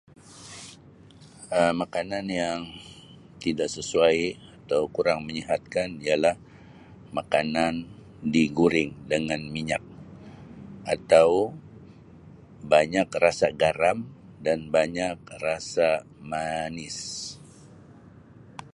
Um Makanan yang tidak sesuai atau kurang menyihatkan ialah makanan diguring dengan minyak atau banyak rasa garam dan banyak rasa manis.